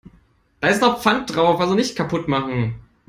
Da ist noch Pfand drauf, also nicht kaputt machen.